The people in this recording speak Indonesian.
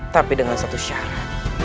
tapi dengan satu syarat